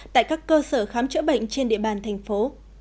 tại các cơ sở khám chữa bệnh trên địa bàn thành phố